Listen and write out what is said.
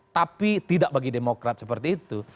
tapi tidak bagi demokrat seperti itu